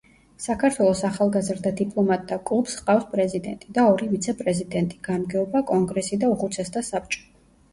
საქართველოს ახალგაზრდა დიპლომატთა კლუბს ჰყავს პრეზიდენტი და ორი ვიცე-პრეზიდენტი, გამგეობა, კონგრესი და უხუცესთა საბჭო.